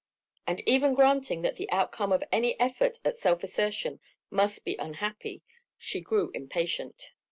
And even granting that the outcome of any effort at self assertion must be unhappy, she grew impatient.